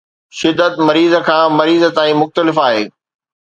شدت مريض کان مريض تائين مختلف آهي